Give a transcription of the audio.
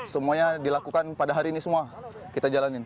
semuanya dilakukan pada hari ini semua kita jalanin